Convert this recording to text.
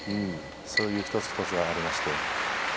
そういう一つ一つがありまして。